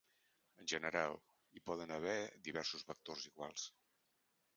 En general, hi poden haver diversos vectors iguals.